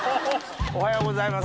おはようございます。